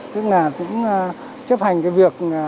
tức là cũng chấp hành việc làm hàng giả hàng nhái